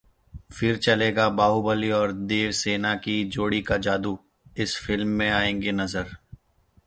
फिर चलेगा बाहुबली और देवसेना की जोड़ी का जादू, इस फिल्म में आएंगे नजर